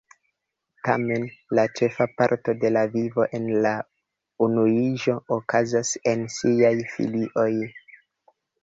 Tamen, la ĉefa parto de la vivo en la unuiĝo okazas en siaj filioj.